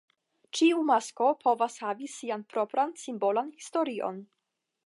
Ĉiu masko povas havi sian propran simbolan historion.